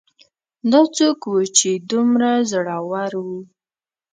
دا څوک و چې دومره زړور و